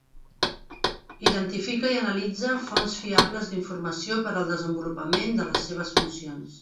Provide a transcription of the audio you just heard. Identifica i analitza fonts fiables d'informació per al desenvolupament de les seves funcions.